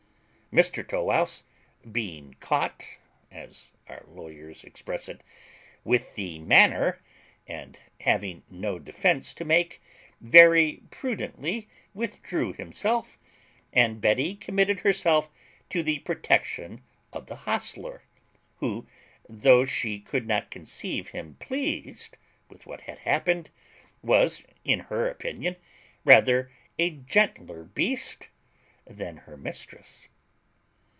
Mr Tow wouse, being caught, as our lawyers express it, with the manner, and having no defence to make, very prudently withdrew himself; and Betty committed herself to the protection of the hostler, who, though she could not conceive him pleased with what had happened, was, in her opinion, rather a gentler beast than her mistress.